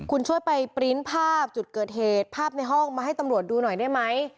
คุณช่วยไปปริ้นต์ภาพจุดเกิดเหตุภาพในห้องมาให้ตำรวจดูหน่อยได้ไหม